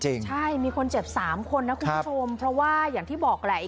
ใช่มีคนเจ็บสามคนนะคุณผู้ชมเพราะว่าอย่างที่บอกแหละ